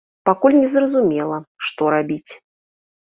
Пакуль не зразумела, што рабіць.